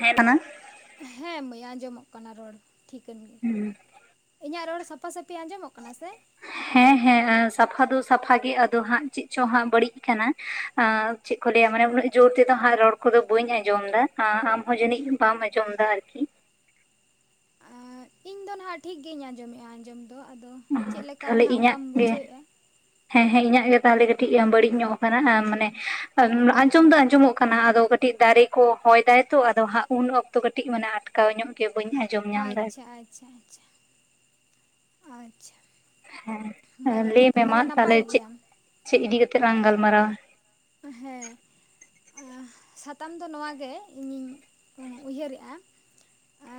ᱦᱮᱜ ᱠᱟᱱᱟ ᱦᱮᱸ ᱢᱟᱹᱭ ᱟᱡᱚᱢᱚᱜ ᱠᱟᱱᱟ ᱨᱚᱲ ᱴᱷᱤᱠᱟᱹᱱ ᱜᱮ᱾ ᱦᱩᱸ ᱤᱧᱟᱜ ᱨᱚᱲ ᱥᱟᱯᱟ ᱥᱟᱯᱤ ᱟᱡᱚᱢᱚᱜ ᱠᱟᱱᱟ ᱥᱮ? ᱦᱮᱸ ᱦᱮᱸ ᱟᱸ ᱥᱟᱯᱷᱟ ᱫᱚ ᱥᱟᱯᱷᱟ ᱜᱮ ᱟᱫᱚ ᱦᱟᱸᱜ ᱪᱮᱫ ᱪᱚ ᱦᱟᱸᱜ ᱵᱟᱲᱤᱡ ᱠᱟᱱᱟ᱾ ᱟᱸ ᱪᱮᱫ ᱠᱚ ᱞᱟᱹᱭᱟ ᱢᱟᱱᱮ ᱩᱱᱟᱹᱜ ᱡᱳᱨ ᱛᱮᱫᱚ ᱦᱟᱸᱜ ᱨᱚᱲ ᱠᱚᱫᱚ ᱵᱟᱹᱧ ᱟᱡᱚᱢᱫᱟ ᱟᱸ ᱟᱢᱦᱚ ᱡᱟᱱᱤᱡ ᱵᱟᱢ ᱟᱢᱚᱢ ᱫᱟ ᱟᱨᱠᱤ᱾ ᱟ ᱤᱧ ᱫᱚ ᱱᱟᱦᱟᱜ ᱴᱷᱤᱠ ᱜᱮᱤᱧ ᱟᱡᱚᱢᱮᱼᱟ ᱟᱡᱚᱢ ᱫᱚ ᱟᱫᱚ ᱪᱮᱫ ᱞᱮᱠᱟᱨᱮ ᱛᱟᱦᱚᱞᱮ ᱱᱟᱦᱜ ᱤᱧᱟᱹᱜ ᱚᱝᱠᱟᱢ ᱜᱮ ᱵᱩᱡᱷᱟᱹᱣᱮᱫᱼᱟ? ᱦᱮᱸ ᱦᱮᱸ ᱤᱧᱟᱜ ᱜᱮ ᱛᱟᱦᱚᱞᱮ ᱠᱟᱴᱤᱡ ᱵᱟᱲᱤᱡ ᱧᱚᱜ ᱟᱠᱟᱱᱟ ᱟ ᱢᱟᱱᱮ ᱟᱡᱚᱢ ᱫᱚ ᱟᱡᱚᱢᱚᱜ ᱠᱟᱱᱟ ᱟᱫᱚ ᱠᱟᱹᱴ ᱴᱤᱡ ᱫᱟᱨᱮ ᱠᱚ ᱦᱚᱭ ᱫᱟᱭ ᱛᱚ ᱟᱫᱚ ᱦᱟᱜ ᱩᱱ ᱚᱠᱛᱚ ᱠᱟᱴᱤᱡ ᱢᱟᱱᱮ ᱟᱴᱠᱟᱣ ᱧᱚᱜ ᱜᱮ ᱵᱟᱹᱧ ᱟᱸᱧ ᱟᱪᱪᱷᱟ ᱟᱪᱪᱷᱟ ᱟᱪᱪᱷᱟ, ᱟᱪᱪᱷᱟ᱾ ᱦᱮᱸ ᱵᱷᱟᱜᱮ ᱞᱟᱹᱭ ᱠᱟᱛᱷᱟ ᱢᱮ ᱢᱟ ᱛᱟᱦᱚᱞᱮ ᱱᱟᱯᱟᱭ ᱪᱮᱫ ᱜᱮᱭᱟᱢ ᱪᱮᱫ ᱤᱫᱤ ᱠᱟᱛᱮᱜ ᱞᱟᱝ ᱜᱟᱞ ᱢᱟᱨᱟᱣᱟ? ᱦᱮᱸ᱾ ᱮᱸᱦ ᱥᱟᱛᱟᱢ ᱫᱚ ᱱᱚᱣᱟ ᱜᱮ ᱤᱧᱤᱧ ᱩᱭᱦᱟᱹᱨᱮᱜᱼᱟ ᱾ ᱟ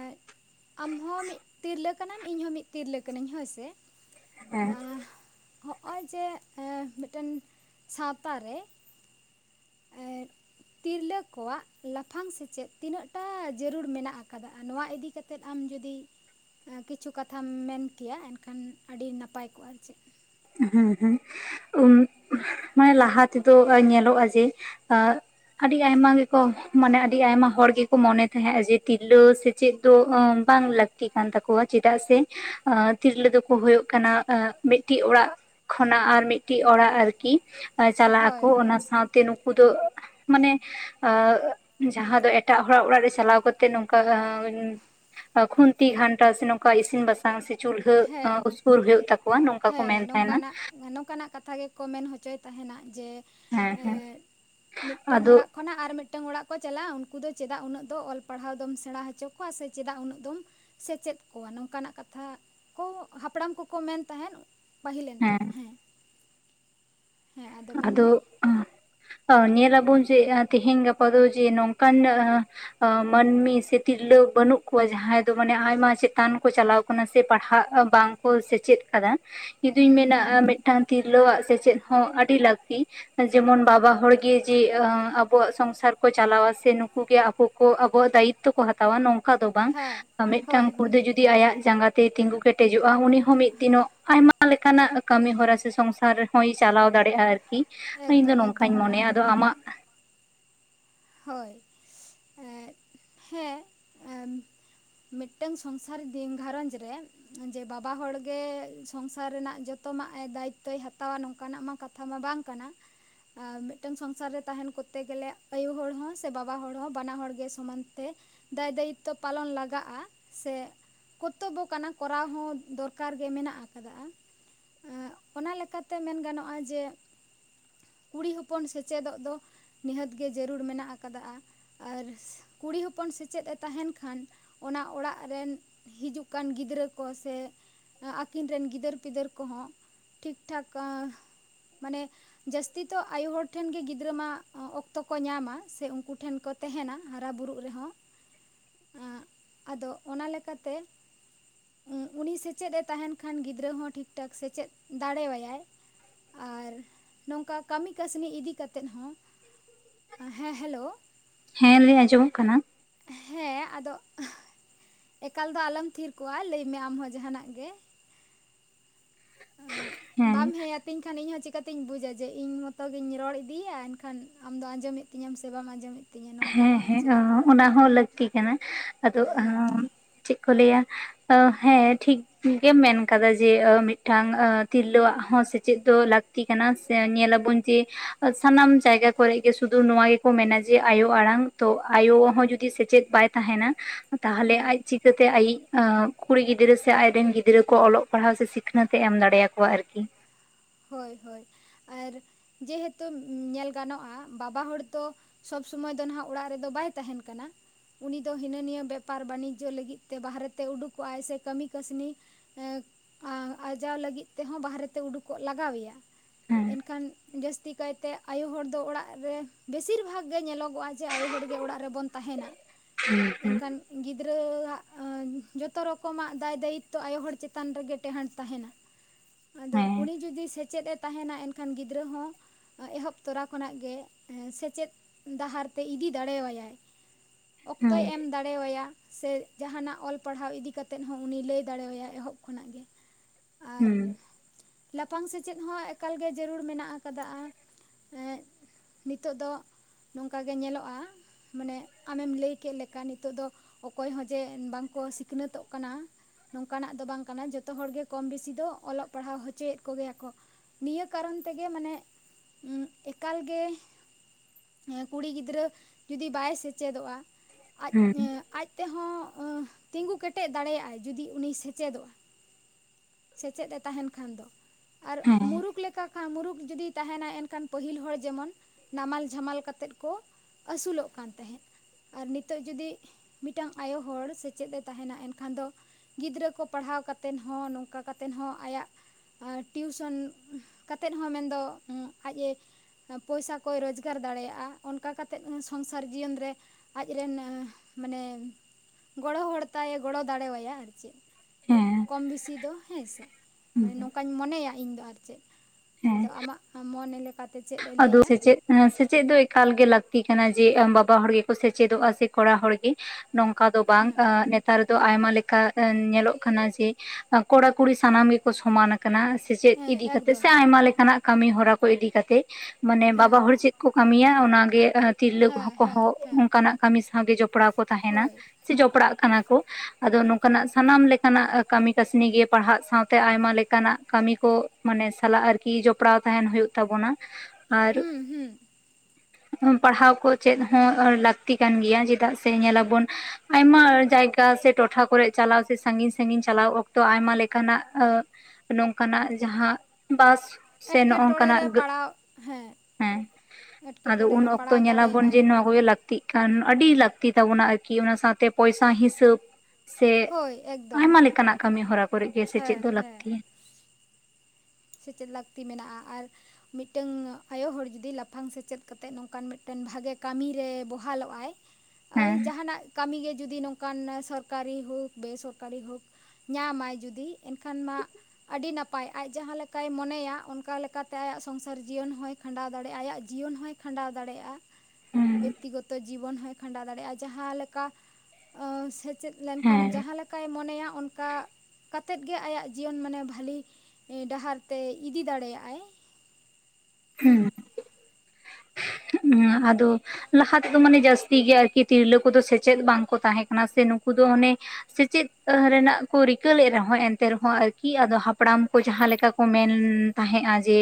ᱟᱢ ᱦᱚᱸ ᱢᱤᱫ ᱛᱤᱨᱞᱟᱹ ᱠᱟᱱᱟᱢ ᱤᱧ ᱦᱚᱸ ᱢᱤᱫ ᱛᱤᱨᱞᱟᱹ ᱠᱟᱹᱱᱟᱹᱧ ᱦᱳᱭ ᱥᱮ᱾ ᱦᱮᱸ ᱟᱦ ᱦᱚᱸᱜᱼᱚᱭ ᱡᱮ ᱢᱤᱫᱴᱟᱝ ᱥᱟᱶᱛᱟ ᱨᱮ [inaudible] ᱛᱤᱨᱞᱟᱹ ᱠᱚᱣᱟᱜ ᱞᱟᱯᱷᱟᱝ ᱥᱮᱪᱮᱫ ᱛᱤᱱᱟᱹᱜ ᱴᱟ ᱡᱟᱹᱨᱩᱲ ᱢᱮᱱᱟᱜ ᱟᱠᱟᱫᱟ ᱱᱚᱣᱟ ᱤᱫᱤ ᱠᱟᱛ ᱛᱮ ᱛᱷᱟᱢ ᱡᱩᱫᱤ ᱮᱸ ᱠᱤᱪᱷᱩ ᱠᱟᱛᱷᱟᱢ ᱢᱮᱱ ᱠᱮᱭᱟ ᱮᱱᱠᱷᱟᱱ ᱟᱹᱰᱤ ᱱᱟᱯᱟᱭ ᱠᱚᱜᱼᱟ ᱟᱨ ᱪᱮᱫ᱾ ᱦᱮᱸ ᱦᱮᱸ᱾ ᱩᱱ ᱢᱟᱱᱮ ᱞᱟᱦᱟ ᱛᱮᱫᱚ ᱧᱮᱞᱚᱜᱼᱟ ᱡᱮ ᱟ ᱟᱹᱰᱤ ᱟᱭᱢᱟ ᱜᱮᱠᱚ ᱢᱟᱱᱮ ᱟᱹᱰᱤ ᱟᱭᱢᱟ ᱦᱚᱲ ᱜᱮᱠᱚ ᱢᱚᱱᱮ ᱛᱟᱦᱮᱸᱜᱼᱟ ᱡᱮ ᱛᱤᱨᱞᱟᱹ ᱥᱮ ᱪᱮᱫ ᱫᱚ ᱟ ᱵᱟᱝ ᱞᱟᱹᱠᱛᱤ ᱠᱟᱱ ᱪᱮᱫᱟᱜ ᱥᱮ ᱟ ᱛᱤᱨᱞᱟᱹ ᱫᱚᱠᱚ ᱦᱩᱭᱩᱜ ᱠᱟᱱᱟ ᱟ ᱢᱤᱫ ᱴᱤᱡ ᱚᱲᱟᱜ ᱠᱷᱚᱱᱟᱜ ᱟᱨ ᱢᱤᱫᱴᱤᱡ ᱚᱲᱟᱜ ᱟᱨᱠᱤ ᱪᱟᱞᱟᱜ ᱦᱳᱭ ᱟᱠᱚ ᱦᱳᱭ ᱚᱱᱟ ᱥᱟᱶ ᱛᱮ ᱱᱩᱠᱩ ᱫᱚ ᱢᱟᱱᱮ ᱟᱜ ᱡᱟᱦᱟ ᱫᱚ ᱮᱴᱟᱜ ᱦᱚᱲᱟᱜ ᱚᱲᱟᱜ ᱨᱮ ᱪᱟᱞᱟᱣ ᱠᱟᱛᱮᱜ ᱱᱚᱝᱠᱟ ᱟᱱ ᱟ ᱠᱷᱩᱱᱛᱤ ᱜᱷᱟᱱᱴᱟ ᱥᱮ ᱱᱚᱝᱠᱟ ᱤᱥᱤᱱ ᱵᱟᱥᱟᱝ ᱥᱮ ᱪᱩᱞᱦᱟᱹ ᱦᱮᱸ ᱩᱥᱠᱩᱨ ᱦᱩᱭᱩᱜ ᱛᱟᱠᱚᱣᱟ ᱱᱚᱝᱠᱟ ᱠᱚ ᱦᱮᱸ ᱢᱮᱱ ᱛᱟᱦᱮᱱᱟ ᱱᱚᱝᱠᱟᱱᱟᱜ ᱱᱚᱝᱠᱟᱱᱟᱜ ᱠᱟᱛᱷᱟ ᱜᱮᱠᱚ ᱢᱮᱱ ᱦᱚᱪᱚᱭ ᱛᱟᱦᱮᱱᱟ ᱡᱮ ᱦᱮᱸ ᱦᱮᱸ ᱮᱜ ᱢᱤᱫᱴᱟᱝ ᱟᱫᱚ ᱚᱲᱟᱜ ᱠᱷᱚᱱᱟᱜ ᱟᱨ ᱢᱤᱫᱴᱟᱝ ᱚᱲᱟᱜ ᱠᱚ ᱪᱟᱞᱟᱜᱼᱟ ᱩᱱᱠᱩ ᱫᱚ ᱪᱮᱫᱟᱜ ᱩᱱᱟᱹᱜ ᱫᱚ ᱚᱞ ᱯᱟᱲᱦᱟᱣ ᱫᱚᱢ ᱥᱮᱬᱟᱸ ᱦᱚᱪᱚ ᱠᱚᱣᱟ ᱥᱮ ᱪᱮᱫᱟᱜ ᱩᱱᱟᱹᱜ ᱫᱚᱢ ᱥᱮᱪᱮᱫ ᱠᱚᱣᱟ ᱱᱚᱝᱠᱟᱱᱟᱜ ᱠᱟᱛᱷᱟ ᱠᱚ ᱦᱟᱯᱲᱟᱢ ᱠᱚᱠᱚ ᱢᱮᱱ ᱛᱟᱦᱮᱸᱫ ᱯᱟᱹᱦᱤᱞ ᱮᱱᱛᱮ ᱦᱮᱸ᱾ ᱦᱮᱸ ᱟᱫᱚ ᱢᱮᱱᱢᱮ ᱟᱸᱦ ᱟ ᱧᱮᱞ ᱟᱵᱚᱱ ᱡᱮ ᱛᱮᱦᱮᱧ ᱜᱟᱯᱟ ᱫᱚ ᱡᱮ ᱱᱚᱝᱠᱟᱱ ᱟ ᱢᱟᱹᱱᱢᱤ ᱥᱮ ᱛᱤᱨᱞᱟᱹ ᱵᱟᱹᱱᱩᱜ ᱠᱚᱣᱟ ᱡᱟᱦᱟᱸᱭ ᱫᱚ ᱢᱟᱱᱮ ᱟᱭᱢᱟ ᱪᱮᱛᱟᱱ ᱪᱟᱞᱟᱣ ᱠᱟᱱᱟ ᱥᱮ ᱯᱟᱲᱦᱟᱜ ᱵᱟᱝ ᱠᱚ ᱥᱮᱪᱮᱫ ᱟᱠᱟᱫᱟ᱾ ᱤᱧᱫᱩᱧ ᱦᱩᱸ ᱢᱮᱱᱟ ᱦᱩᱸ ᱢᱤᱫᱴᱟᱝ ᱛᱤᱨᱞᱟᱹᱣᱟᱜ ᱥᱮᱪᱮᱫ ᱦᱚᱸ ᱟᱵᱤ ᱞᱟᱹᱠᱛᱤ ᱡᱮᱢᱚᱱ ᱵᱟᱵᱟ ᱦᱚᱲᱜᱮ ᱡᱮ ᱟᱸ ᱟᱵᱚᱣᱟᱜ ᱥᱚᱝᱥᱟᱨ ᱠᱚ ᱪᱟᱞᱟᱣᱟ ᱥᱮ ᱱᱩᱠᱩᱜ ᱜᱮ ᱟᱵᱚ ᱠᱚ ᱟᱵᱚᱣᱟᱜ ᱫᱟᱭᱤᱛᱛᱚ ᱠᱚ ᱦᱟᱛᱟᱣᱟ ᱱᱚᱝᱠᱟ ᱫᱚ ᱵᱟᱝ ᱦᱮᱸ ᱦᱳᱭ ᱢᱤᱫᱴᱟᱝ ᱠᱩᱲᱤ ᱦᱳᱭ ᱫᱟ ᱡᱩᱫᱤ ᱟᱭᱟᱜ ᱡᱟᱸᱜᱟ ᱛᱮ ᱛᱤᱸᱜᱩ ᱠᱮᱴᱮᱡᱚᱜᱼᱟ ᱩᱱᱤ ᱦᱚᱸ ᱢᱤᱫ ᱫᱤᱱᱚᱜ ᱟᱭᱢᱟ ᱞᱮᱠᱟᱱᱟᱜ ᱠᱟᱹᱢᱤ ᱦᱚᱨᱟ ᱥᱮ ᱥᱚᱝᱥᱟᱨ ᱨᱮ ᱦᱚᱸᱭ ᱪᱟᱞᱟᱣ ᱫᱟᱲᱮᱭᱟᱜᱼᱟ ᱟᱨᱠᱤ᱾ ᱤᱧ ᱫᱚ ᱮᱠᱫᱚᱢ ᱱᱚᱝᱠᱟᱧ ᱮᱠᱫᱚᱢ ᱱᱚᱣᱟ ᱢᱚᱱᱮᱭᱟ ᱫᱚ ᱟᱫᱚ ᱟᱢᱟᱜ ᱦᱳᱭ ᱦᱮᱸᱜ ᱦᱮᱸ ᱮᱸᱢ ᱢᱤᱫᱴᱟᱝ ᱥᱚᱝᱥᱟᱨ ᱫᱤᱱ ᱜᱷᱟᱨᱚᱸᱡᱽ ᱨᱮ ᱡᱮ ᱵᱟᱵᱟ ᱦᱚᱲᱜᱮ ᱥᱚᱝᱥᱟᱨ ᱨᱮᱱᱟᱜ ᱡᱚᱛᱚ ᱢᱟᱜ ᱮ ᱫᱟᱭᱤᱛᱛᱚᱭ ᱦᱟᱛᱟᱣᱟ ᱱᱚᱝᱠᱟᱱᱟᱜ ᱢᱟ ᱠᱟᱛ ᱠᱟᱛᱷᱟ ᱢᱟ ᱵᱟᱝ ᱠᱟᱱᱟ᱾ ᱟᱸ ᱢᱤᱫᱴᱟᱝ ᱥᱚᱝᱥᱟᱨ ᱨᱮ ᱛᱟᱦᱮᱱ ᱠᱚᱨᱛᱮ ᱜᱮᱞᱮ ᱟᱭᱩ ᱦᱚᱲ ᱦᱚᱸ ᱥᱮ ᱵᱟᱵᱟ ᱦᱚᱲ ᱦᱚᱸ ᱵᱟᱱᱟ ᱦᱚᱲ ᱜᱮ ᱥᱚᱢᱟᱱ ᱛᱮ ᱫᱟᱭ ᱫᱟᱭᱤᱛᱛᱚ ᱯᱟᱞᱚᱱ ᱞᱟᱜᱟᱜᱼᱟ, ᱥᱮ ᱠᱚᱨᱛᱚᱵᱵᱚ ᱠᱟᱱᱟ, ᱠᱚᱨᱟᱣ ᱦᱚᱸ ᱫᱚᱨᱠᱟᱨ ᱜᱮ ᱢᱮᱱᱟᱜ ᱟᱠᱟᱫᱟ᱾ ᱮᱸᱜ ᱚᱱᱟ ᱞᱮᱠᱟᱛᱮ ᱢᱮᱱ ᱜᱟᱱᱚᱜᱼᱟ᱾ ᱡᱮ ᱠᱩᱲᱤ ᱦᱚᱯᱚᱱ ᱥᱮᱪᱮᱫᱚᱜ ᱫᱚ, ᱱᱤᱦᱟᱹᱛ ᱜᱮ ᱡᱟᱹᱨᱩᱲ ᱢᱮᱱᱟᱜ ᱟᱠᱟᱫᱟ᱾ ᱟᱨ ᱠᱩᱲᱤ ᱦᱚᱯᱚᱱ ᱥᱮᱪᱮᱫ ᱮ ᱛᱟᱦᱮᱱ ᱠᱷᱟᱱ, ᱚᱱᱟ ᱚᱲᱟᱜ ᱨᱮᱱ ᱦᱤᱡᱩᱜ ᱠᱟᱱ ᱜᱤᱫᱽᱨᱟᱹ ᱠᱚ ᱥᱮ, ᱟᱹᱠᱤᱱ ᱨᱮᱱ ᱜᱤᱫᱟᱹᱨ ᱯᱤᱫᱟᱹᱨ ᱠᱚᱦᱚᱸ ᱴᱷᱤᱠ ᱴᱷᱟᱠᱟᱹ ᱢᱟᱱᱮ ᱡᱟᱹᱥᱛᱤ ᱛᱚ ᱟᱭᱳ ᱦᱚᱲ ᱴᱷᱮᱱᱜᱮ ᱜᱤᱫᱽᱨᱟᱹ ᱢᱟ ᱚᱠ ᱛᱚ ᱠᱚ ᱧᱟᱢᱟ, ᱥᱮ ᱩᱱᱠᱩ ᱴᱷᱮᱱ ᱠᱚ ᱛᱟᱦᱮᱱᱟ ᱦᱟᱨᱟ ᱵᱩᱨᱩᱜ ᱨᱮᱦᱚᱸ ᱚᱸᱜ ᱟᱫᱚ ᱚᱱᱟ ᱞᱮᱠᱟᱛᱮ ᱩᱸᱜ ᱩᱱᱤ ᱥᱮᱪᱮᱫ ᱮ ᱛᱟᱦᱮᱱ ᱠᱷᱟᱱ, ᱜᱤᱫᱽᱨᱟᱹ ᱦᱚᱸ ᱴᱷᱤᱠ ᱴᱷᱟᱠ ᱥᱮᱪᱮᱫ ᱫᱟᱲᱮᱣᱟᱭᱟᱭ᱾ ᱟᱨ ᱱᱚᱝᱠᱟ ᱠᱟᱹᱢᱤ ᱠᱟᱹᱥᱱᱤ ᱤᱫᱤ ᱠᱟᱛᱮᱫ ᱦᱚᱸ ᱦᱮᱸ ᱦᱮᱞᱳ ᱦᱮᱸ ᱞᱟᱹᱭ ᱟᱸᱡᱚᱢᱚᱜ ᱠᱟᱱᱟ ᱦᱮᱸ ᱟᱫᱚ [inaudible] ᱮᱠᱟᱞ ᱫᱚ ᱟᱞᱚᱢ ᱛᱷᱤᱨ ᱠᱚᱜᱼᱟ, ᱞᱟᱹᱭᱢᱮ ᱟᱢ ᱦᱚᱸ ᱡᱟᱦᱟᱱᱟᱜ ᱜᱮ᱾ [inaudible] ᱵᱟᱢ ᱦᱮᱸ ᱟᱹᱛᱤᱧ ᱠᱷᱟᱱ ᱤᱧᱦᱚᱸ ᱪᱤᱠᱟᱹᱛᱤᱧ ᱵᱩᱡᱟ, ᱡᱮ ᱤᱧ ᱢᱚᱛᱚᱜᱤᱧ ᱨᱚᱲ ᱤᱫᱤᱭᱟ ᱮᱱᱠᱷᱟᱱ ᱟᱢ ᱫᱚ ᱟᱸᱡᱚᱢᱮᱫ ᱛᱤᱧᱟᱹ ᱥᱮ ᱵᱟᱢ ᱟᱸᱡᱚᱢᱮᱫᱛᱤᱧᱟᱹ ᱦᱮᱸ ᱦᱮᱸ ᱚᱸ ᱚᱱᱟ ᱦᱚᱸ ᱞᱟᱹᱠᱛᱤ ᱠᱟᱱᱟ ᱟᱫᱚ ᱦᱮᱸ ᱪᱮᱫ ᱠᱚ ᱞᱟᱹᱭᱟ? ᱚ ᱦᱮᱸ ᱴᱷᱤᱠ ᱴᱷᱤᱠᱜᱮᱢ ᱢᱮᱱ ᱟᱠᱟᱫᱟ, ᱡᱮ ᱢᱤᱫᱴᱟᱝ ᱛᱤᱨᱞᱟᱹᱣᱟᱜ ᱦᱚᱸ ᱥᱮᱪᱮᱫ ᱫᱚ ᱞᱟᱹᱠ ᱛᱤ ᱠᱟᱱᱟ ᱥᱮ ᱧᱮᱞᱟᱵᱚᱱ ᱡᱮ ᱥᱟᱱᱟᱢ ᱡᱟᱭᱜᱟ ᱠᱚᱨᱮ ᱜᱮ ᱥᱩᱫᱷᱩ ᱱᱚᱣᱟ ᱜᱮᱠᱚ ᱢᱮᱱᱟ, ᱡᱮ ᱟᱭᱳ ᱟᱲᱟᱝ ᱛᱚ ᱟᱭᱳ ᱦᱚᱸ ᱡᱩᱫᱤ ᱥᱮᱪᱮᱫ ᱵᱟᱭ ᱛᱟᱦᱮᱱᱟ, ᱛᱟᱦᱚᱞᱮ ᱦᱳᱭ ᱟᱡ ᱪᱮᱫ ᱪᱤᱠᱟᱹᱛᱮ ᱟᱭᱤᱡ ᱟᱸ ᱠᱩᱲᱤ ᱜᱤᱫᱽᱨᱟᱹ ᱥᱮ ᱟᱡ ᱨᱮᱱ ᱜᱤᱫᱽᱨᱟᱹ ᱠᱚ ᱚᱞᱚᱜ ᱯᱟᱲᱦᱟᱣ ᱥᱮ ᱥᱤᱠᱷᱱᱟᱹᱛᱮ ᱮ ᱮᱢ ᱫᱟᱲᱮᱭᱟᱠᱚᱣᱟ᱾ ᱟᱨᱠᱤ? ᱦᱳᱭ ᱦᱳᱭ ᱟᱨ ᱡᱮᱦᱮᱛᱩ ᱧᱮᱞ ᱜᱟᱱᱚᱜᱼᱟ, ᱵᱟᱵᱟ ᱦᱚᱲ ᱫᱚ ᱥᱚᱵ ᱥᱚᱢᱚᱭ ᱫᱚ ᱱᱟᱦᱟᱜ ᱚᱲᱟᱜ ᱨᱮᱫᱚ ᱵᱟᱭ ᱛᱟᱦᱮᱱ ᱠᱟᱱᱟ᱾ ᱩᱱᱤ ᱫᱚ ᱦᱤᱱᱟᱹᱱᱤᱭᱟᱹ ᱵᱮᱯᱟᱨ ᱵᱟᱱᱤᱡᱽᱡᱚ ᱞᱟᱹᱜᱤᱫ ᱛᱮ ᱵᱟᱦᱨᱮᱛᱮ ᱩᱰᱩᱠᱚᱜᱼ ᱟᱭ ᱥᱮ ᱠᱟᱹᱢᱤ ᱠᱟᱹᱥᱱᱤ ᱮᱸᱜ ᱟ ᱟᱨᱡᱟᱣ ᱞᱟᱹᱜᱤᱫ ᱛᱮᱦᱚᱸ ᱵᱟᱦᱚᱨᱮᱛᱮ ᱩᱰᱩᱠ ᱠᱚᱜ ᱞᱟᱜᱟᱣᱮᱭᱟ ᱦᱮᱸ ᱮᱱᱠᱷᱟᱱ ᱡᱟᱹᱥᱛᱤ ᱠᱟᱭᱛᱮ ᱟᱭᱳ ᱦᱚᱲ ᱫᱚ ᱚᱲᱟᱜ ᱨᱮ, ᱵᱮᱥᱤᱨ ᱵᱷᱟᱜᱽ ᱜᱮ ᱧᱮᱞᱚᱜᱚᱜᱼᱟ᱾ ᱡᱮ ᱟᱭᱳ ᱦᱚᱲ ᱜᱮ ᱚᱲᱟᱜ ᱨᱮᱵᱚᱱ ᱛᱟᱦᱮᱱᱟ᱾ ᱦᱮᱸ ᱮᱱᱠᱷᱟᱱ ᱜᱤᱫᱽᱨᱟᱹᱣᱟᱜ ᱡᱚᱛᱚ ᱨᱚᱠᱚᱢᱟᱜ ᱫᱟᱭ ᱫᱟᱭᱤᱛᱛᱚ ᱟᱭᱳ ᱦᱚᱲ ᱪᱮᱛᱟᱱ ᱨᱮᱜᱮ ᱴᱮᱦᱟᱸᱰ ᱛᱟᱦᱮᱱᱟ᱾ [inaudible] ᱟᱫᱚ ᱩᱱᱤ ᱡᱩᱫᱤ ᱥᱮᱪᱮᱫ ᱮ ᱛᱟᱦᱮᱱᱟ, ᱮᱱᱠᱷᱟᱱ ᱜᱤᱫᱽᱨᱟᱹ ᱦᱚᱸ ᱮᱦᱚᱵ ᱛᱚᱨᱟ ᱠᱷᱚᱱᱟᱜ ᱜᱮ ᱮᱸ ᱥᱮᱪᱮᱫ ᱰᱟᱦᱟᱨ ᱛᱮ ᱤᱫᱤ ᱫᱟᱲᱮᱣᱟᱭᱟᱭ᱾ [inaudible] ᱚᱠᱛᱚᱭ ᱮᱢ ᱫᱟᱲᱮᱣᱟᱭᱟ ᱥᱮ ᱡᱟᱦᱟᱱᱟᱜ ᱚᱞ ᱯᱟᱲᱦᱟᱣ ᱤᱫᱤ ᱠᱟᱛᱮᱫ ᱦᱚᱸ ᱩᱱᱤ ᱞᱟᱹᱭ ᱫᱟᱲᱮᱣᱟᱭ, ᱮᱦᱚᱵ ᱠᱷᱚᱱᱟᱜ ᱜᱮ᱾ ᱟᱨ ᱦᱩᱸᱼᱼ ᱞᱟᱯᱷᱟᱝ ᱥᱮᱪᱮᱫ ᱦᱚᱸ ᱮᱠᱟᱞ ᱜᱮ ᱡᱟᱹᱨᱩᱲ ᱢᱮᱱᱟᱜ ᱟᱠᱟᱫᱟ ᱮᱸᱜ ᱱᱤᱛᱚᱜ ᱫᱚ᱾ ᱱᱚᱝᱠᱟ ᱜᱮ ᱧᱮᱞᱚᱜᱼᱟ ᱢᱟᱱᱮ ᱟᱢᱮᱢ ᱞᱟᱹᱭ ᱠᱮᱫ ᱞᱮᱠᱟ, ᱱᱤᱛᱚᱜ ᱫᱚ ᱚᱠᱚᱭ ᱦᱚᱸ ᱡᱮ ᱵᱟᱝᱠᱚ ᱥᱤᱠᱷᱱᱟᱹᱛᱚᱜ ᱠᱟᱱᱟ᱾ ᱱᱚᱝᱠᱟᱱᱟᱜ ᱫᱚ ᱵᱟᱝ ᱡᱚᱛᱚ ᱦᱚᱲ ᱜᱮ ᱠᱚᱢ ᱵᱤᱥᱤ ᱫᱚ ᱚᱞᱚᱜ ᱯᱟᱲᱦᱟᱣ ᱦᱚᱪᱚᱭᱮᱫ ᱠᱚᱜᱮᱭᱟ ᱠᱚ ᱱᱤᱭᱟᱹ ᱠᱟᱨᱚᱱ ᱛᱮᱜᱮ ᱢᱟᱱᱮ ᱩᱜ ᱮᱠᱟᱞ ᱜᱮ ᱮ ᱠᱩᱲᱤ ᱜᱤᱫᱽᱨᱟᱹ ᱡᱩᱫᱤ ᱵᱟᱭ ᱥᱮᱪᱮᱫᱚᱜ-ᱟ ᱟᱡ ᱦᱩᱸ ᱮ ᱟᱡ ᱛᱮᱦᱚᱸ ᱛᱤᱸᱜᱩ ᱠᱮᱴᱮᱡ ᱫᱟᱲᱮᱭᱟᱜ-ᱟᱭ ᱡᱩᱫᱤ ᱩᱱᱤ ᱥᱮᱪᱮᱫᱚᱜ-ᱟ᱾ ᱥᱮᱪᱮᱫ ᱮ ᱛᱟᱦᱮᱱ ᱠᱷᱟᱱ ᱫᱚ ᱟᱨ ᱦᱮᱸ ᱢᱩᱨᱩᱠᱷ ᱞᱮᱠᱟ ᱢᱩᱨᱩᱠ ᱡᱩᱫᱤ ᱛᱟᱦᱮᱱᱟᱭ ᱮᱱ ᱠᱟᱱ ᱯᱟᱹᱦᱤᱞ ᱦᱚᱲ ᱡᱮᱢᱚᱱ ᱱᱟᱢᱟᱞ ᱡᱷᱟᱢᱟᱞᱛᱜ ᱠᱚ ᱟᱹᱥᱩᱞᱚᱜ ᱠᱟᱱ ᱛᱟᱦᱮᱸᱫ᱾ ᱟᱨ ᱱᱤᱛᱚᱜ ᱡᱩᱫᱤ ᱢᱤᱫᱴᱟᱝ ᱟᱭᱳ ᱦᱚᱲ ᱥᱮᱪᱮᱫ ᱮ ᱛᱟᱦᱮᱱᱟ ᱮᱱᱠᱷᱟᱱ ᱫᱚ ᱜᱤᱫᱽᱨᱟᱹ ᱠᱚ ᱯᱟᱲᱦᱟᱣ ᱠᱟᱛᱮᱫ ᱦᱚᱸ ᱱᱚᱝᱠᱟ ᱠᱟᱛᱮᱫ ᱦᱚᱸ ᱟᱭᱟᱜ ᱴᱤᱭᱩᱥᱚᱱ ᱠᱟᱛᱮᱫ ᱦᱚᱸ ᱢᱮᱱᱫᱚ ᱟᱡ ᱮ ᱯᱚᱭᱥᱟ ᱠᱚᱭ ᱨᱳᱡᱽᱜᱟᱨ ᱫᱟᱲᱮᱭᱟᱜ-ᱟ ᱚᱱᱠᱟ ᱠᱟᱛᱮᱜ ᱦᱚ ᱥᱚᱝᱥᱟᱨ ᱡᱤᱭᱚᱱ ᱨᱮ ᱟᱡᱨᱮᱱ ᱮ ᱢᱟᱱᱮ ᱜᱚᱲᱚ ᱦᱚᱲ ᱛᱟᱭ ᱜᱚᱲᱚ ᱫᱟᱲᱮᱣᱟᱭᱟ ᱟᱨ ᱪᱮᱫ, ᱦᱮᱸ ᱠᱚᱢ ᱵᱤᱥᱤ ᱫᱚ ᱦᱮᱸ ᱥᱮ? ᱢᱟᱱᱮ ᱦᱩᱸ ᱱᱚᱝᱠᱟᱧ ᱢᱚᱱᱮᱭᱟ ᱤᱧ ᱫᱚ ᱟᱨ ᱪᱮᱫ ᱦᱮᱸ ᱟᱫᱚ ᱟᱢᱟᱜ ᱢᱚᱱᱮ ᱞᱮᱜ ᱟᱫᱚ ᱥᱮ ᱥᱮᱪᱮ ᱥᱮᱪᱮᱫ ᱫᱚ ᱮᱠᱟᱞ ᱜᱮ ᱞᱟᱹᱠᱛᱤ ᱠᱟᱱᱟ ᱡᱮ ᱟᱢ ᱵᱟᱵᱟ ᱦᱚᱲ ᱜᱮᱠᱚ ᱥᱮᱪᱮᱫᱚᱜ-ᱟ ᱥᱮ ᱠᱚᱲᱟ ᱦᱚᱲ ᱜᱮ᱾ ᱱᱚᱝᱠᱟ ᱫᱚ ᱵᱟᱝ ᱟ ᱱᱮᱛᱟᱨ ᱫᱚ ᱟᱭᱢᱟ ᱞᱮᱠᱟ ᱧᱮᱞᱚᱜ ᱠᱟᱱᱟ ᱡᱮ, ᱠᱚᱲᱟ ᱠᱩᱲᱤ ᱥᱟᱱᱟᱢ ᱜᱮᱠᱚ ᱥᱚᱢᱟᱱ ᱟᱠᱟᱱᱟ᱾ ᱥᱮᱪᱮᱫ ᱦᱮᱸ ᱤᱫᱤ ᱠᱟᱛᱮ ᱮᱠᱫᱚᱢ ᱥᱮ ᱟᱭᱢᱟ ᱞᱮᱠᱟᱱᱟᱜ ᱠᱟᱹᱢᱤ ᱦᱚᱨᱟ ᱠᱚ ᱤᱫᱤ ᱠᱟᱛᱮᱜ ᱢᱟᱱᱮ ᱦᱮᱸ ᱵᱟᱵᱟ ᱦᱚᱲᱚᱲ ᱪᱮᱫ ᱠᱚ ᱠᱟᱹᱢᱤᱭᱟ ᱚᱱᱟᱜᱮ ᱛᱤᱨᱞᱟᱹ ᱦᱮᱸ ᱦᱮᱸ ᱠᱚᱦᱚᱸ ᱦᱮᱸ ᱚᱱᱠᱟᱱᱟᱜ ᱠᱟᱹᱢᱤ ᱥᱟᱶᱜᱮ ᱡᱚᱵ ᱯᱲᱟᱣ ᱠᱚ ᱛᱟᱦᱮᱱᱟ ᱦᱳᱭ ᱥᱮ ᱡᱚᱯᱲᱟᱜ ᱠᱟᱱᱟ ᱠᱚ ᱟᱫᱚ ᱱᱚᱝᱠᱟᱱᱟᱜ ᱥᱟᱱᱟᱢ ᱞᱮᱠᱟᱱᱟᱜ ᱠᱟᱹᱢᱤ ᱠᱟᱹᱥᱱᱤ ᱜᱮ ᱯᱟᱲᱦᱟᱜ ᱥᱟᱶᱛᱮ ᱟᱭᱢᱟ ᱞᱮᱠᱟᱱᱟᱜ ᱠᱟᱹᱢᱤ ᱠᱚ ᱢᱟᱱᱮ ᱥᱟᱞᱟᱜ ᱟᱨᱠᱤ ᱡᱚᱯᱲᱟᱣ ᱛᱟᱦᱮᱱ ᱦᱩᱭᱩᱜ ᱛᱟᱵᱳᱱᱟ᱾ ᱟᱨ ᱦᱩᱸ ᱦᱩᱸ ᱯᱟᱲᱦᱟᱣ ᱠᱚ ᱪᱮᱫᱽ ᱦᱚᱸ ᱞᱟᱹᱠᱛᱤ ᱠᱟᱱ ᱜᱮᱭᱟ ᱪᱮᱫᱟᱜ ᱥᱮ ᱧᱮᱞᱟᱵᱚᱱ ᱟᱭᱢᱟ ᱡᱟᱭᱜᱟ ᱥᱮ ᱴᱚᱴᱷᱟ ᱠᱚᱨᱮᱜ ᱪᱟᱞᱟᱣ ᱥᱮ ᱥᱟᱜᱤᱧ ᱥᱟᱜᱤᱧ ᱪᱟᱞᱟᱣ ᱚᱠᱛᱚ ᱟᱭᱢᱟ ᱞᱮᱠᱟᱱᱟᱜ ᱱᱚᱝᱠᱟᱱᱟᱜ ᱡᱟᱦᱟᱸ ᱵᱟᱥ, ᱥᱮ ᱮᱴᱠᱮᱴᱚᱬᱮᱸ ᱨᱮ ᱱᱚᱜᱝᱠᱟᱱᱟᱜ ᱯᱟᱲᱟᱣ, ᱦᱮᱸ᱾ ᱦᱮᱸ ᱟᱫᱚ ᱮᱴᱠᱮᱴᱚᱬᱮ ᱩᱱ ᱨᱮ ᱚᱠᱛᱚ ᱯᱟᱲᱟᱣ ᱧᱮᱞᱟᱵᱚᱱ ᱫᱟᱲᱮᱭᱟᱜᱼᱟᱭ ᱡᱮ ᱱᱚᱣᱟ ᱦᱚᱭ ᱞᱟᱹᱠᱛᱤᱜ ᱠᱟᱱ ᱟᱹᱰᱤ ᱞᱟᱹᱠᱛᱤ ᱛᱟᱵᱚᱱᱟ ᱟᱨᱠᱤ ᱚᱱᱟ ᱥᱟᱶᱛᱮ ᱯᱚᱭᱥᱟ ᱦᱤᱥᱟᱹᱵᱽ, ᱥᱮ ᱦᱳᱭ ᱮᱠᱫᱚᱢ ᱟᱭᱢᱟ ᱞᱮᱠᱟᱱᱟᱜ ᱠᱟᱹᱢᱤ ᱦᱚᱨᱟ ᱠᱚᱨᱮᱜ ᱜᱮ ᱥᱮᱪᱮᱫ ᱦᱮᱸ ᱫᱚ ᱦᱮᱸ ᱞᱟᱹᱠᱛᱤᱭᱟ᱾ ᱥᱮᱪᱮᱫ ᱞᱟᱹᱠᱛᱤ ᱢᱮᱱᱟᱜ-ᱟ ᱟᱨ ᱢᱤᱫᱴᱟᱝ ᱟᱭᱳ ᱦᱚᱲ ᱡᱩᱫᱤ ᱞᱟᱯᱷᱟᱝ ᱥᱮᱪᱮᱫ ᱠᱟᱛᱮᱜ ᱱᱚᱝᱠᱟᱱ ᱢᱤᱫᱴᱟᱱ ᱵᱷᱟᱜᱮ ᱠᱟᱹᱢᱤᱨᱮ ᱵᱚᱦᱟᱞᱚᱜ ᱟᱭ᱾ ᱳᱭ ᱦᱮᱸ ᱡᱟᱦᱟᱱᱟᱜ ᱠᱟᱹᱢᱤ ᱜᱮ ᱡᱩᱫᱤ ᱱᱚᱝᱠᱟᱱ ᱥᱚᱨᱠᱟᱨᱤ ᱦᱳᱠ ᱵᱮᱥᱚᱨᱠᱟᱨᱤ ᱦᱳᱠ ᱧᱟᱢᱟᱭ ᱡᱩᱫᱤ ᱮᱱᱠᱷᱟᱱ ᱢᱟ ᱟᱹᱰᱤ ᱱᱟᱯᱟᱭ ᱟᱡ ᱡᱟᱦᱟᱸ ᱞᱮᱠ ᱠᱟᱭ ᱢᱚᱱᱮᱭᱟ ᱚᱱᱠᱟ ᱞᱮᱠᱟᱛᱮ ᱟᱭᱟᱜ ᱥᱚᱝᱥᱟᱨ ᱡᱤᱭᱚᱱ ᱦᱚᱸᱭ ᱠᱷᱟᱸᱰᱟᱣ ᱫᱟᱲᱮᱭᱟᱜ-ᱟ ᱟᱭᱟᱜ ᱡᱤᱭᱚᱱ ᱦᱚᱸᱭ ᱠᱷᱟᱸᱰᱟᱣ ᱫᱟᱲᱮᱭᱟᱜ-ᱟ᱾ ᱦᱮᱸ ᱵᱮᱠᱛᱤ ᱜᱚᱛᱚ ᱡᱤᱵᱚᱱ ᱦᱚᱭ ᱠᱷᱟᱸᱰᱟᱣ ᱫᱟᱲᱮᱭᱟᱜ-ᱟ ᱡᱟᱦᱟᱸ ᱞᱮᱠᱟ ᱚ ᱥᱮᱪᱮᱫ ᱞᱮᱱᱠᱷᱟᱱ ᱦᱮᱸ ᱡᱟᱦᱟᱸ ᱢᱚᱱᱮᱭᱟ ᱚᱱᱠᱟ ᱠᱟᱛ ᱛᱮᱫ ᱜᱮ ᱟᱭᱟᱜ ᱡᱤᱭᱚᱱ ᱢᱟᱱᱮ ᱵᱷᱟᱞᱤ ᱰᱟᱦᱟᱨ ᱛᱮ ᱤᱫᱤ ᱫᱟᱲᱮᱭᱟᱜ-ᱟᱭ᱾ ᱦᱩᱸ ᱩ ᱜᱮ ᱟᱫᱚ ᱞᱟᱦᱟ ᱛᱮᱫᱚ ᱢᱟᱱᱮ ᱡᱟᱹᱥᱛᱤ ᱜᱮ ᱟᱨᱠᱤ ᱛᱤᱨᱞᱟᱹ ᱠᱚᱫᱚ ᱥᱮᱪᱮᱝ ᱵᱟᱝᱠᱚ ᱛᱟᱦᱮᱸ ᱠᱟᱱᱟ ᱥᱮ ᱱᱩᱠᱩ ᱫᱚ ᱚᱱᱮ-ᱴ ᱥᱮᱪᱮᱫ ᱨᱮᱱᱟᱜ ᱠᱚ ᱨᱤᱠᱟᱹ ᱞᱮᱫᱮᱫ ᱨᱮᱦᱚᱸ ᱮᱱᱛᱮ ᱨᱮᱦᱚᱸ ᱟᱨᱠᱤ ᱟᱫᱚ ᱦᱟᱯᱲᱟᱢ ᱠᱚ ᱡᱟᱦᱟᱸᱮ ᱞᱮᱠᱟ ᱠᱚ ᱢᱮᱱ ᱛᱟᱦᱮᱸᱫ-ᱟ ᱡᱮ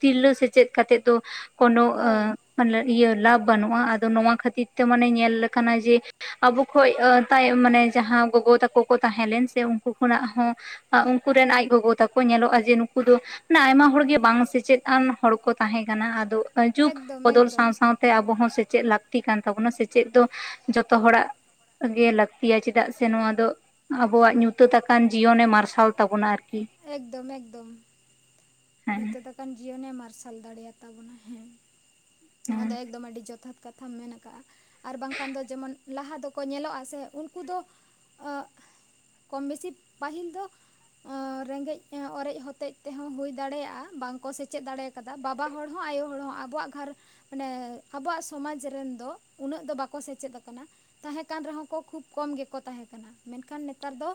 ᱛᱤᱨᱞᱟᱹ ᱥᱮᱪᱮᱫ ᱠᱟᱛᱮᱜ ᱫᱚ ᱠᱳᱱᱳ ᱦᱳᱭ ᱯᱟᱞᱞᱟᱨ ᱤᱭᱟᱹ ᱞᱟᱵᱷ ᱵᱟᱹᱱᱩᱜ-ᱟ ᱟᱫᱚ ᱱᱚᱣᱟ ᱠᱷᱟᱹᱛᱤᱨ ᱛᱮ ᱢᱟᱱᱮ ᱧᱮᱞ ᱟᱠᱟᱱᱟ ᱡᱮ ᱟᱵᱚ ᱠᱷᱚᱡ ᱛᱟᱭᱚᱢ ᱢᱟᱱᱮ ᱡᱟᱦᱟᱸ ᱜᱚᱜᱚ ᱛᱟᱠᱚ ᱠᱚ ᱛᱟᱦᱮᱸ ᱞᱮᱱ ᱥᱮ ᱩᱱᱠᱩ ᱠᱷᱚᱱᱟᱜ ᱦᱚᱸ ᱩᱱᱠᱩ ᱨᱮᱱ ᱟᱡ ᱜᱚᱜᱚ ᱛᱟᱠᱚ ᱧᱮᱞᱚᱜᱼᱟ ᱡᱮ ᱱᱩᱠᱩ ᱫᱚ ᱢᱟᱱᱮ ᱟᱭᱢᱟ ᱦᱚᱲ ᱜᱮ ᱵᱟᱝ ᱥᱮᱪᱮᱫ ᱟᱱ ᱦᱚᱲ ᱠᱚ ᱛᱟᱦᱮᱸ ᱠᱟᱱᱟ, ᱟᱫᱚ ᱚᱱᱠᱟ ᱡᱩᱜᱽ ᱮᱠᱫᱚᱢ ᱵᱚᱫᱚᱞ ᱮᱠᱫᱚᱢ ᱥᱟᱶ ᱥᱟᱶᱛᱮᱼᱼ ᱛᱮ ᱟᱵᱚ ᱦᱚᱸ ᱥᱮᱪᱮᱫ ᱞᱟᱹᱠᱛᱤ ᱠᱟᱱ ᱛᱟᱵᱚᱱᱟ ᱥᱮᱪᱮᱫ ᱫᱚ ᱡᱷᱚᱛᱚ ᱦᱮᱸ ᱦᱚᱲᱟᱜ ᱜᱮ ᱞᱟᱹᱠᱛᱤᱭᱟ ᱪᱮᱫᱟᱜ ᱥᱮ ᱱᱚᱣᱟ ᱫᱚ ᱟᱵᱚᱣᱟᱜ ᱧᱩᱛᱟᱹᱛ ᱟᱠᱟᱱ ᱡᱤᱭᱚᱱᱮ ᱢᱟᱨᱥᱟᱞ ᱛᱟᱵᱚᱱᱟ ᱟᱨᱠᱤ᱾ ᱮᱠᱫᱚᱢ ᱮᱠᱫᱚᱢ᱾ ᱦᱮᱸ ᱧᱩᱛᱟᱹᱛ ᱟᱠᱟᱱ ᱡᱤᱭᱚᱱᱮ ᱢᱟᱨᱥᱟᱞ ᱫᱟᱲᱮᱭᱟᱛᱟ ᱵᱚᱱᱟ ᱦᱮᱸ ᱱᱚᱣᱟ ᱫᱚ ᱦᱮᱸ ᱮᱠᱫᱚᱢ ᱟᱹᱰᱤ ᱡᱚᱛᱷᱟᱛ ᱠᱟᱛᱷᱟᱢ ᱢᱮᱱ ᱠᱟᱜᱼᱟ ᱟᱨ ᱵᱟᱝᱠᱷᱟᱱ ᱫᱚ ᱡᱮᱢᱚᱱ ᱞᱟᱦᱟ ᱫᱚᱠᱚ ᱧᱮᱞᱚᱜᱼᱟ ᱥᱮ ᱩᱱᱠᱩ ᱫᱚ [unintelligible] ᱠᱚᱢ ᱵᱮᱥᱤ ᱯᱟᱹᱦᱤᱞ ᱫᱚ ᱚ ᱨᱮᱸᱜᱮᱡ ᱚᱨᱮᱡ ᱦᱚᱛᱮᱡ ᱛᱮᱦᱚᱸ ᱦᱩᱭ ᱫᱟᱲᱮᱭᱟᱜᱼᱟ ᱵᱟᱝᱠᱚ ᱥᱮᱪᱮᱫ ᱫᱟᱲᱮᱣ ᱠᱟᱫᱟ ᱵᱟᱵᱟ ᱦᱚᱲ ᱦᱚᱸ ᱟᱭᱳ ᱦᱚᱲ ᱦᱚᱸ ᱟᱵᱚᱣᱟᱜ ᱜᱷᱟᱨᱚ ᱢᱟᱱᱮ ᱟᱵᱚᱣᱟᱜ ᱥᱚᱢᱟᱡᱽ ᱨᱮᱱ ᱫᱚ ᱩᱱᱟᱹᱜ ᱫᱚ ᱵᱟᱠᱚ ᱥᱮᱪᱮᱫ ᱠᱟᱱᱟ᱾ ᱛᱟᱦᱮᱸ ᱠᱟᱱ ᱨᱮᱦᱚᱸ ᱠᱚ ᱠᱷᱩᱵ ᱠᱚᱢ ᱜᱮᱠᱚ ᱛᱟᱦᱮᱸ ᱠᱟᱱᱟ, ᱢᱮᱱᱠᱷᱟᱱ ᱱᱮᱛᱟᱨ ᱫᱚ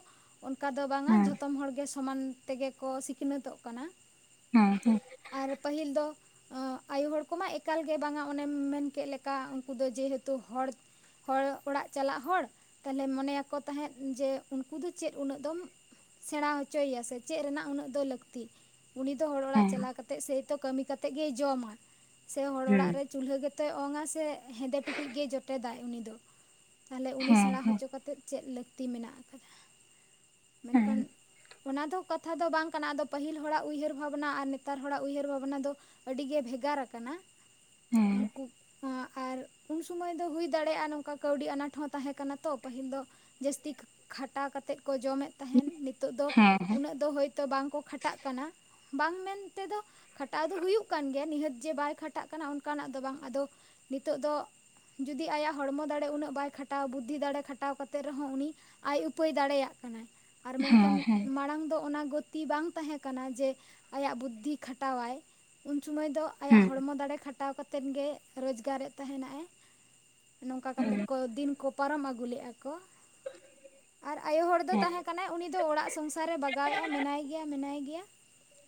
ᱚᱱᱠᱟ ᱫᱚ ᱵᱟᱝ-ᱟ ᱦᱮᱸ ᱡᱷᱚᱛᱚᱢ ᱦᱚᱲ ᱜᱮ ᱥᱚᱢᱟᱱ ᱛᱮᱜᱮ ᱠᱚ ᱥᱤᱠᱷᱱᱟᱹᱛᱚᱜ ᱠᱟᱱᱟ᱾ ᱦᱮᱸ ᱦᱮᱸ᱾ ᱟᱨ ᱯᱟᱹᱦᱤᱞ ᱫᱚ ᱟᱭᱩ ᱦᱚᱲ ᱠᱚᱢᱟ ᱮᱠᱟᱞ ᱜᱮ ᱵᱟᱝ-ᱟ ᱚᱱᱮᱢ ᱢᱮᱱ ᱠᱮᱫ ᱞᱮᱠᱟ ᱩᱱᱠᱩ ᱫᱚ ᱡᱮᱦᱮᱛᱩ ᱦᱚᱲ ᱦᱚᱲ ᱚᱲᱟᱜ ᱪᱟᱞᱟᱜ ᱦᱚᱲ ᱛᱟᱦᱞᱮ ᱢᱚᱱᱮᱭᱟᱠᱚ ᱛᱟᱦᱮᱸᱫ ᱡᱮ ᱩᱱᱠᱩ ᱫᱚ ᱪᱮᱫ ᱩᱱᱟᱹᱜ ᱫᱚᱢ ᱥᱮᱬᱟᱸ ᱦᱚᱪᱚᱭᱭᱟ ᱥᱮ ᱪᱮᱫ ᱨᱮᱱᱟᱜ ᱩᱱᱟᱹᱜ ᱫᱚ ᱞᱟᱹᱠᱛᱤ᱾ ᱩᱱᱤ ᱫᱚ ᱦᱚᱲ ᱚᱲᱟᱜ ᱦᱮᱸ ᱪᱟᱞᱟᱣ ᱠᱟᱛᱮᱫ ᱥᱮᱭ ᱛᱚ ᱠᱟᱹᱢᱤ ᱠᱟᱛᱮᱫ ᱜᱮᱭ ᱡᱚᱢᱟ ᱥᱮ ᱦᱚᱲ ᱦᱮᱸ ᱚᱲᱟᱜ ᱨᱮ ᱪᱩᱞᱦᱟᱹ ᱜᱮᱛᱚᱭ ᱚᱝᱼᱟ ᱥᱮ ᱦᱮᱸᱫᱮ ᱴᱩᱠᱩᱡ ᱜᱮᱭ ᱡᱚᱴᱮᱫᱟᱭ ᱩᱱᱤ ᱫᱚ᱾ ᱛᱟᱦᱞᱮ ᱩᱱᱤ ᱦᱮᱸ ᱥᱮᱬᱟᱸ ᱦᱚᱪᱚ ᱠᱟᱛᱮᱫ ᱪᱮᱫ ᱞᱟᱹᱠᱛᱤ ᱠᱟᱫᱟ᱾ ᱦᱮᱸ ᱢᱮᱱᱠᱷᱟᱱ ᱚᱱᱟ ᱫᱚ ᱠᱟᱛᱷᱟ ᱫᱚ ᱵᱟᱝ ᱠᱟᱱᱟ ᱟᱫᱚ ᱯᱟᱹᱦᱤᱞ ᱦᱚᱲᱟᱜ ᱩᱭᱦᱟᱹᱨ ᱵᱷᱟᱵᱱᱟ ᱟᱨ ᱱᱮᱛᱟᱨ ᱦᱚᱲᱟᱜ ᱩᱭᱦᱟᱹᱨ ᱵᱷᱟᱵᱱᱟ ᱫᱚ ᱟᱹᱰᱤ ᱜᱮ ᱵᱷᱮᱜᱟᱨ ᱠᱟᱱᱟ᱾ ᱦᱮᱸ ᱩᱱᱠᱩ ᱟᱨ ᱩᱱ ᱥᱚᱢᱚᱭ ᱫᱚ ᱦᱩᱭ ᱫᱟᱲᱮᱭᱟᱜᱼᱟ ᱱᱚᱝᱠᱟ ᱠᱟᱹᱣᱰᱤ ᱟᱱᱟᱴ ᱦᱚᱸ ᱛᱟᱦᱮᱸ ᱠᱟᱱᱟ ᱛᱚ ᱯᱟᱹᱦᱤᱞ ᱫᱚ᱾ ᱡᱟᱹᱥᱛᱤ ᱠᱷᱟᱴᱟᱣ ᱠᱟᱛᱮᱫ ᱠᱚ ᱡᱚᱢᱮᱫ ᱛᱟᱦᱮᱱ ᱱᱤᱛᱚᱜ ᱫᱚ ᱦᱮᱸ ᱦᱮᱸ ᱩᱱᱟᱹᱜ ᱫᱚ ᱦᱳᱭᱛᱳ ᱵᱟᱝᱠᱚ ᱠᱷᱟᱴᱟᱜ ᱠᱟᱱᱟ᱾ ᱵᱟᱝ ᱢᱮᱱ ᱛᱮᱫᱚ ᱠᱷᱟᱴᱟᱣ ᱫᱚ ᱦᱩᱭᱩᱜ ᱠᱟᱱ ᱜᱮᱭᱟ ᱱᱤᱦᱟᱹᱛ ᱡᱮ ᱵᱟᱭ ᱠᱷᱟᱴᱟᱜ ᱠᱟᱱᱟ ᱚᱱᱠᱟᱱᱟᱜ ᱫᱚ ᱵᱟᱝ ᱟᱫᱚ ᱱᱤᱛᱚᱜ ᱫᱚ ᱡᱩᱫᱤ ᱟᱭᱟᱜ ᱦᱚᱲᱢᱚ ᱫᱟᱲᱮ ᱩᱱᱟᱹᱜ ᱵᱟᱭ ᱠᱷᱟᱴᱟᱣᱟ ᱵᱩᱫᱽᱫᱷᱤ ᱫᱟᱲᱮ ᱠᱷᱟᱴᱟᱣ ᱠᱟᱛᱮᱫ ᱨᱮᱦᱚᱸ ᱩᱱᱤ ᱟᱭ ᱩᱯᱟᱹᱭ ᱫᱟᱲᱮᱭᱟᱜ ᱠᱟᱱᱟ ᱟᱨ ᱦᱮᱸ ᱢᱮᱱᱠᱷᱟᱱ ᱢᱟᱲᱟᱝ ᱫᱚ ᱚᱱᱟ ᱜᱚᱛᱤ ᱵᱟᱝ ᱛᱟᱦᱮᱸ ᱠᱟᱱᱟ ᱡᱮ ᱟᱭᱟᱜ ᱵᱩᱫᱽᱫᱷᱤ ᱠᱷᱟᱴᱟᱣᱟᱭ ᱩᱱ ᱥᱩᱢᱟᱹᱭ ᱫᱚ ᱟᱭᱟᱜ ᱦᱮᱸ ᱦᱚᱲᱢᱚ ᱫᱟᱲᱮ ᱠᱷᱟᱴ ᱠᱷᱟᱴᱟᱣ ᱠᱟᱛᱮᱫ ᱜᱮ ᱨᱚᱡᱽᱜᱟᱨᱮᱫ ᱛᱟᱦᱮᱱᱟᱭ ᱾ ᱱᱚᱝᱠᱟ ᱠᱟᱛᱮᱜ ᱠᱚ ᱫᱤᱱ ᱠᱚ ᱯᱟᱨᱚᱢ ᱟᱹᱜᱩ ᱞᱮᱜᱼᱟ ᱠᱚ ᱾ ᱟᱨ ᱟᱭᱳ ᱦᱚᱲ ᱫᱚ ᱦᱮᱸ ᱛᱟᱦᱮᱸ ᱠᱟᱱᱟᱭ ᱩᱱᱤ ᱫᱚ ᱚᱲᱟᱜ ᱥᱚᱝᱥᱟᱨᱮ ᱵᱟᱜᱟᱣᱮᱫᱼᱟ ᱢᱮᱱᱟᱭ ᱜᱮᱭᱟ ᱢᱮᱱᱟᱭ ᱜᱮᱭᱟ᱾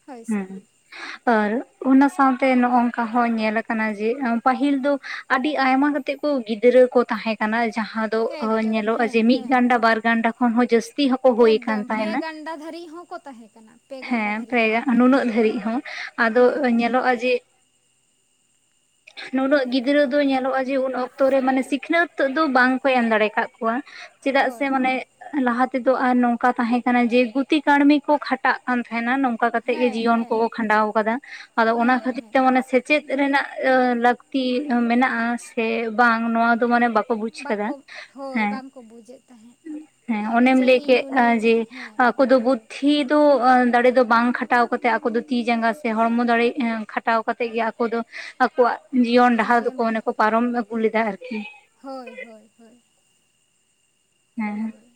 ᱦᱳᱭ ᱥᱮ ᱦᱩᱸ᱾ ᱦᱳᱭ ᱚᱱᱟ ᱥᱟᱣᱛᱮ ᱱᱚᱜ ᱚᱝᱠᱟ ᱦᱚᱸ ᱧᱮᱞ ᱠᱟᱱᱟ ᱡᱮ ᱯᱟᱹᱦᱤᱞ ᱫᱚ ᱟᱹᱰᱤ ᱟᱭᱢᱟ ᱠᱟᱛᱮᱜ ᱠᱩ ᱜᱤᱫᱽᱨᱟᱹ ᱠᱩ ᱛᱟᱦᱮᱸ ᱠᱟᱱᱟ ᱡᱟᱦᱟᱸ ᱫᱚ ᱮᱠᱫᱚᱢ ᱧᱮᱞᱚᱜᱼᱟ ᱦᱮᱸ ᱡᱮ ᱢᱤᱫ ᱦᱮᱸ ᱜᱟᱱᱰᱟ ᱵᱟᱨ ᱜᱟᱱᱰᱟ ᱠᱷᱚᱱ ᱦᱚᱸ ᱡᱟᱹᱥᱛᱤ᱾ ᱦᱚᱸᱠᱚ ᱦᱩᱭ ᱟᱠᱟᱱ ᱮᱠᱫᱚᱢ, ᱯᱮ ᱛᱟᱦᱮᱱᱟ ᱜᱟᱱᱰᱟ ᱫᱷᱟᱹᱨᱤᱡ ᱦᱚᱸᱠᱚ ᱛᱟᱦᱮᱸ ᱠᱟᱱᱟ ᱯᱮ ᱜᱟᱱᱰᱟ ᱦᱮᱸ ᱫᱷᱟᱹᱨᱤᱡ ᱯᱨᱟᱭ ᱦᱚᱸ᱾ ᱱᱩᱱᱟᱹᱜ ᱦᱮᱸ ᱫᱷᱟᱹᱨᱤᱡ ᱦᱚᱸ ᱟᱫᱚ ᱦᱮᱸ ᱧᱮᱞᱚᱜᱼᱟ ᱡᱮ ᱱᱩᱱᱟᱹᱜ ᱜᱤᱫᱽᱨᱟᱹ ᱫᱚ ᱧᱮᱞᱚᱜᱼᱟ ᱡᱮ ᱩᱱ ᱚᱠᱛᱚ ᱨᱮ ᱢᱟᱱᱮ ᱥᱤᱠᱷᱱᱟᱹᱛ ᱫᱚ ᱵᱟᱝᱠᱚ ᱮᱢ ᱫᱟᱲᱮ ᱠᱟᱜ ᱠᱚᱣᱟ᱾ ᱪᱮᱫᱟᱜ ᱥᱮ ᱦᱳᱭ ᱢᱟᱱᱮ ᱞᱟᱦᱟ ᱛᱮᱫᱚ ᱟᱨ ᱱᱚᱝᱠᱟ ᱛᱟᱦᱮᱸ ᱠᱟᱱᱟ ᱡᱮ ᱜᱩᱛᱤ ᱠᱟᱹᱲᱢᱤ ᱠᱚ ᱠᱷᱟ ᱴᱟᱜ ᱠᱟᱱ ᱛᱟᱦᱮᱸᱱᱟ ᱱᱚᱝᱠᱟ ᱠᱟᱛᱮᱜ ᱜᱮ ᱦᱮᱸ ᱡᱤᱭᱚᱱ ᱠᱚ ᱦᱮᱸ ᱠᱚ ᱠᱷᱟᱸᱰᱟᱣ ᱠᱟᱫᱟ᱾ ᱟᱫᱚ ᱚᱱᱟ ᱦᱮᱸ ᱠᱷᱟᱹᱛᱤᱨ ᱦᱮᱸ ᱛᱮ ᱢᱟᱱᱮ ᱥᱮᱪᱮᱫ ᱨᱮᱱᱟᱜ ᱞᱟᱹᱠᱛᱤ ᱢᱮᱱᱟᱜᱼᱟ ᱥᱮ ᱵᱟᱝ ᱱᱚᱣᱟ ᱫᱚ ᱢᱟᱱᱮ ᱵᱟᱠᱚ ᱵᱩᱡ ᱵᱟᱠᱚ ᱠᱟᱫᱟ ᱦᱳᱭ ᱦᱮᱸ ᱵᱟᱝᱠᱚ ᱵᱩᱡᱮᱫ ᱛᱟᱦᱮᱸᱫ ᱦᱮᱸ, ᱚᱱᱮᱢ ᱡᱮ ᱞᱟᱹᱭ ᱤᱧ ᱠᱮᱜ ᱩᱱᱤ ᱡᱮ ᱦᱮᱸ ᱟᱠᱚ ᱫᱚ ᱵᱩᱫᱽᱫᱷᱤ ᱫᱚ ᱫᱟᱲᱮ ᱫᱚ ᱵᱟᱝ ᱠᱷᱟᱴᱟᱣ ᱠᱟᱛᱮᱜ ᱟᱠᱚ ᱫᱚ ᱛᱤ ᱡᱟᱸᱜᱟ ᱥᱮ ᱦᱚᱲᱢᱚ ᱫᱟᱲᱮ ᱠᱷᱟᱴ ᱠᱷᱴᱟᱣ ᱠᱟᱛᱮᱜ ᱜᱮ ᱟᱠᱚ ᱫᱚ ᱟᱠᱚᱣᱟᱜ ᱡᱤᱭᱚᱱ ᱰᱟᱦᱟᱨ ᱫᱚᱠᱚ ᱢᱚᱱᱮ ᱠᱚ ᱯᱟᱨᱚᱢ ᱟᱹᱜᱩ ᱞᱮᱫᱟ ᱟᱨᱠᱤ᱾ ᱦᱳᱭ ᱦᱳᱭ ᱦᱳᱭ᱾ ᱦᱮᱸ ᱦᱳᱭ᱾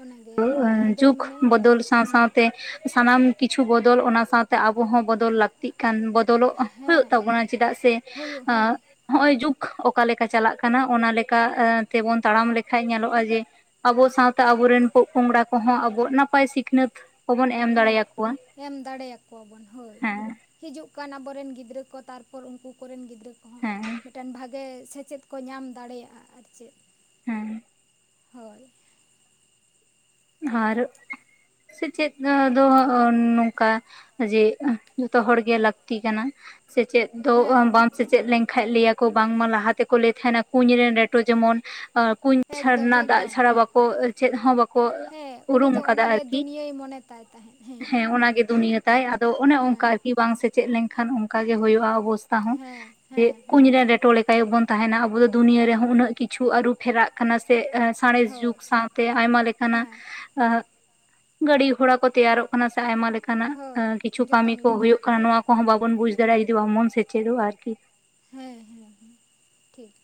ᱚᱱᱟᱜᱮ ᱳ ᱞᱟᱹᱠᱛᱤ ᱮᱸ ᱫᱚ ᱡᱩᱜᱽ ᱢᱟᱱᱮ ᱵᱚᱫᱚᱞ ᱥᱟᱶ ᱦᱮᱸ ᱥᱟᱶᱛᱮ᱾ ᱥᱟᱱᱟᱢ ᱠᱤᱪᱷᱩ ᱵᱚᱫᱚᱞ ᱚᱱᱟ ᱥᱟᱶᱛᱮ ᱟᱵᱚ ᱦᱚᱸ ᱵᱚᱫᱚᱞ ᱞᱟᱹᱠᱛᱤᱜ ᱠᱟᱱ ᱵᱟᱹᱫᱽ ᱵᱚᱫᱚᱞᱚᱜ ᱦᱩᱭᱩᱜ ᱦᱮᱸ ᱛᱟᱵᱚᱱᱟ ᱪᱮᱫᱟᱜ ᱥᱮ ᱦᱩᱭᱩᱜ ᱦᱮᱸ ᱱᱚᱜ-ᱚᱭ ᱡᱩᱜᱽ ᱚᱠᱟ ᱞᱮᱠᱟ ᱪᱟᱞᱟᱜ ᱠᱟᱱᱟ ᱚᱱᱟ ᱞᱮᱠᱟ ᱛᱮᱵᱚᱱ ᱛᱟᱲᱟᱢ ᱞᱮᱠᱷᱟᱱ ᱧᱮᱞᱚᱜᱼᱟ ᱡᱮ ᱟᱵᱚ ᱥᱟᱶᱛᱮ ᱟᱵᱚᱨᱮᱱ ᱯᱚᱜ ᱯᱚᱝᱲᱟ ᱠᱚᱦᱚᱸ ᱟᱵᱚ ᱱᱟᱯᱟᱭ ᱥᱤᱠᱷᱱᱟᱹᱛ ᱠᱚᱵᱚᱱ ᱮᱢ ᱦᱮᱸ ᱫᱟᱲᱮᱭᱟᱠᱚᱣᱟ ᱮᱢ ᱫᱟᱲᱮᱭᱟᱠᱚᱣᱟᱵᱚᱱ ᱦᱳᱭ᱾ ᱦᱮᱸ ᱦᱤᱡᱩᱜ ᱠᱟᱱ ᱟᱵᱚᱨᱮᱱ ᱜᱤᱫᱽᱨᱟᱹ ᱠᱚ, ᱛᱟᱨᱯᱚᱨ ᱩᱱᱠᱩ ᱠᱚᱨᱮᱱ ᱜᱤᱫᱽᱨᱟᱹ ᱠᱚᱦᱚᱸ ᱦᱮᱸ ᱢᱤᱫᱴᱮᱱ ᱵᱷᱟᱜᱤ ᱜᱮ ᱥᱮᱪᱮᱫ ᱠᱚ ᱧᱟᱢ ᱫᱟᱲᱮᱭᱟᱜᱼᱟ ᱟᱨ ᱪᱮᱫ᱾ ᱦᱮᱸ ᱦᱳᱭ᱾ ᱟᱨ ᱥᱮᱪᱮᱫ ᱫᱚ ᱱᱚᱝᱠᱟ ᱡᱮ ᱡᱚᱛᱚ ᱦᱚᱲᱜᱮ ᱞᱟᱹᱠᱛᱤ ᱠᱟᱱᱟ᱾ ᱥᱮᱪᱮᱫ ᱫᱚ ᱦᱮᱸ ᱵᱟᱢ ᱦᱮᱸ ᱥᱮᱪᱮᱫ ᱞᱮᱱᱠᱷᱟᱱ ᱞᱟᱹᱭ ᱵᱟᱝᱢᱟ ᱞᱟᱦᱟ ᱛᱮᱠᱚ ᱞᱟᱹᱭ ᱛᱟᱦᱮᱱᱟ ᱠᱩᱸᱧ ᱨᱮᱱ ᱨᱮᱴᱚ ᱡᱮᱢᱚᱱ ᱠᱩᱸᱧ ᱮᱠᱫᱚᱢ ᱪᱷᱟᱨᱱᱟ ᱫᱟᱜ ᱮᱠᱫᱚᱢ ᱪᱷᱟᱲᱟ ᱵᱟᱠᱚ ᱪᱮᱫ ᱦᱚᱸ ᱵᱟᱠᱚ ᱠᱚ ᱦᱮᱸ ᱩᱱᱤ ᱩᱨᱩᱢ ᱫᱚ ᱟᱠᱟᱫᱟ ᱚᱱᱟᱜᱮ ᱟᱨᱠᱤ, ᱫᱩᱱᱭᱟᱹᱭ ᱢᱚᱱᱮ ᱛᱟᱭ ᱛᱟᱦᱮᱸᱫ ᱦᱮᱸ ᱦᱮᱸᱚᱱᱟᱜᱮ ᱫᱩᱱᱭᱟᱹ᱾ ᱛᱟᱭ ᱟᱫᱚ ᱚᱱᱮ ᱦᱮᱸ ᱚᱱᱠᱟ ᱟᱨᱠᱤ ᱵᱟᱝ ᱥᱮᱪᱮᱫ ᱞᱮᱱᱠᱷᱟᱱ ᱚᱱᱠᱟ ᱜᱮ ᱦᱩᱭᱩᱜᱼᱟ ᱚᱵᱚᱥ ᱛᱟ ᱦᱚᱸ ᱦᱮᱸ ᱦᱮᱸ ᱡᱮ ᱦᱮᱸ ᱠᱩᱸᱧ ᱨᱮᱱ ᱨᱮᱴᱚ ᱞᱮᱠᱟ ᱜᱮ ᱵᱚᱱ ᱛᱟᱦᱮᱱᱟ ᱟᱵᱚ ᱫᱚ ᱫᱩᱱᱭᱟᱹ ᱛᱟᱦᱮᱱᱟ ᱨᱮᱦᱚᱸ ᱩᱱᱟᱹᱜ ᱠᱤᱪ ᱪᱷᱩ ᱟᱹᱨᱩ ᱯᱷᱮᱨᱟᱜ ᱠᱟᱱᱟ ᱥᱮ ᱥᱟᱬᱮᱥ ᱦᱳᱭ ᱡᱩᱜᱽ ᱥᱟᱶᱛᱮ ᱟᱭᱢᱟ ᱞᱮᱠᱟᱱᱟᱜ ᱦᱮᱸ ᱟᱜ ᱜᱟᱹᱰᱤ ᱜᱷᱚᱲᱟ ᱠᱚ ᱛᱮᱭᱟᱨᱚᱜ ᱠᱟᱱᱟ ᱥᱮ ᱟᱭᱢᱟ ᱞᱮᱠᱟ ᱱᱟᱜ ᱦᱳᱭ ᱠᱤᱪᱷᱩ ᱠᱟᱹᱢᱤ ᱡᱚᱛᱚᱢ ᱠᱚ ᱞᱮᱠᱟ ᱦᱩᱭᱩᱜ ᱠᱟᱱᱟ ᱱᱚᱣᱟ ᱠᱚᱦᱚᱸ ᱵᱟᱵᱚᱱ ᱵᱩᱡ ᱫᱟᱲᱮᱭᱟᱜᱼᱟ ᱡᱩᱫᱤ ᱵᱟᱝᱵᱚᱱ ᱥᱮᱪᱮᱫᱚᱜᱼᱟ ᱟᱨᱠᱤ᱾ ᱦᱮᱸ ᱦᱮᱸ ᱦᱮᱸ ᱴᱷᱤᱠ᱾